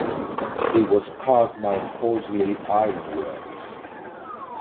It was cast by Horseley Ironworks.